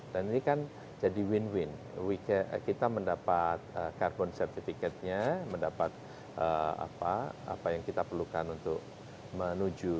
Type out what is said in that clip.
dan ini kan jadi win win kita mendapat carbon certificate nya mendapat apa yang kita perlukan untuk menuju